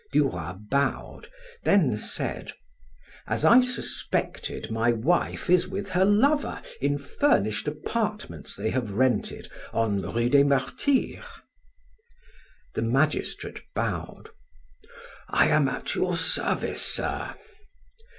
Du Roy bowed, then said: "As I suspected, my wife is with her lover in furnished apartments they have rented on Rue des Martyrs." The magistrate bowed: "I am at your service, sir."